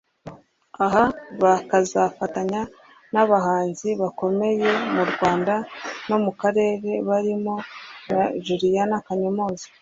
Aha bakazafatanya n’abahanzi bakomeye mu Rwanda no mu karere barimo na Julianna Kanyomozi